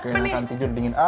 kayaknya akan tidur dingin